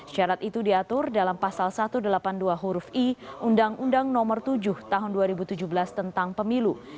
syarat itu diatur dalam pasal satu ratus delapan puluh dua huruf i undang undang nomor tujuh tahun dua ribu tujuh belas tentang pemilu